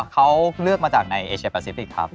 เขาเลือกมาจากในเอเชียแปซิฟิกครับ